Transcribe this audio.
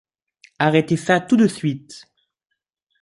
Arrêtez ça tout de suite !